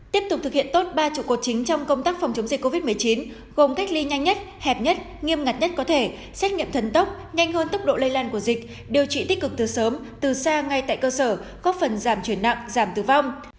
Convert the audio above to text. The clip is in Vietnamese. tiếp tục thực hiện tốt ba trụ cột chính trong công tác phòng chống dịch covid một mươi chín gồm cách ly nhanh nhất hẹp nhất nghiêm ngặt nhất có thể xét nghiệm thần tốc nhanh hơn tốc độ lây lan của dịch điều trị tích cực từ sớm từ xa ngay tại cơ sở góp phần giảm chuyển nặng giảm tử vong